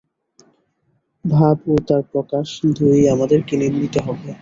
ভাব ও তার প্রকাশ দুই-ই আমাদের নিতে হবে।